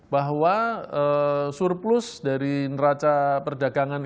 bahwa surplus dari neraca perdagangan